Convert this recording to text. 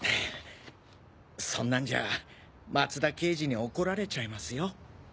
そんなんじゃ松田刑事に怒られちゃいますよ。